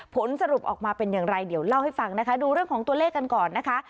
ผลสรุปออกมาเป็นอย่างไรเดี๋ยวเล่าให้ฟังนะคะดูเรื่องของตัวเลขกันก่อนนะคะ